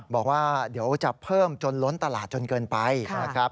บอกว่าเดี๋ยวจะเพิ่มจนล้นตลาดจนเกินไปนะครับ